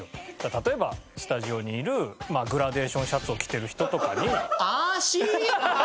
例えばスタジオにいるグラデーションシャツを着てる人とかに。